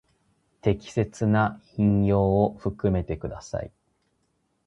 適切な引用を含めてください。